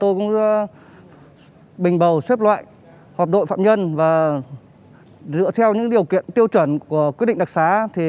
tôi cũng bình bầu xếp loại họp đội phạm nhân và dựa theo những điều kiện tiêu chuẩn của quyết định đặc xá